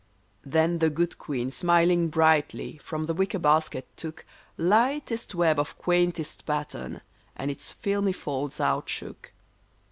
" Then the good queen, smiling brightly, from the wicker bas ket took Lightest web of quaintest pattern, and its filmy folds out shook.